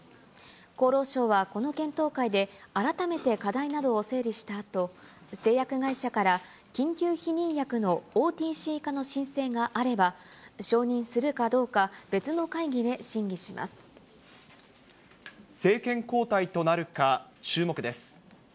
厚労省はこの検討会で、改めて課題などを整理したあと、製薬会社から緊急避妊薬のＯＴＣ化の申請があれば、承認するかど政権交代となるか注目です。